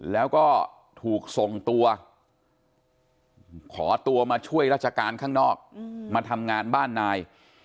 แล้วก็ถูกส่งตัวขอตัวมาช่วยราชการข้างนอกมาทำงานบ้านนาย